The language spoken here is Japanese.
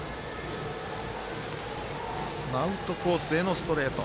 アウトコースへのストレート。